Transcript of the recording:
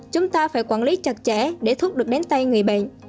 chúng ta phải quản lý chặt chẽ để thuốc được đến tay người bệnh